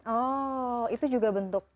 oh itu juga bentuk